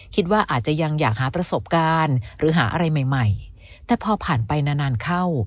คิดว่าอาจจะยังอยากหาประสบการณ์หรือหาอะไรใหม่ใหม่แต่พอผ่านไปนานนานเข้า